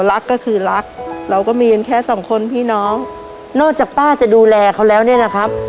รักก็คือรักเราก็มีกันแค่สองคนพี่น้องนอกจากป้าจะดูแลเขาแล้วเนี่ยนะครับ